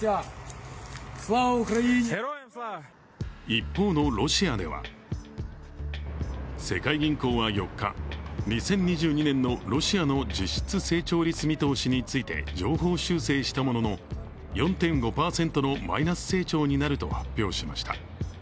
一方のロシアでは世界銀行は４日、２０２２年のロシアの実質成長率見通しについて上方修正したものの４．５％のマイナス成長になると発表しました。